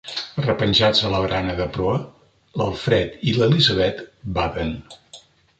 Arrepenjats a la barana de proa, l'Alfred i l'Elisabet baden.